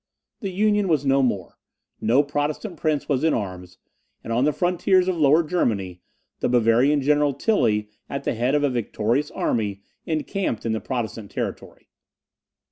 The Union was no more; no Protestant prince was in arms; and on the frontiers of Lower Germany, the Bavarian General Tilly, at the head of a victorious army, encamped in the Protestant territory.